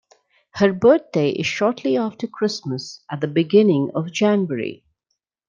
Her birthday is shortly after Christmas, at the beginning of January